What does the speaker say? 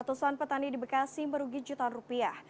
ratusan petani di bekasi merugi jutaan rupiah